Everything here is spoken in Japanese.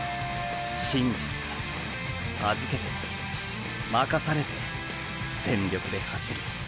信じて預けて任されて全力で走る。